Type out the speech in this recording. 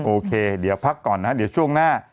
โอเคเดี๋ยวพักก่อนนะเดี๋ยวช่วงหน้า